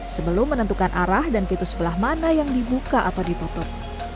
sebelum menentukan arah dan pintu sebelah mana yang dibuka atau ditutup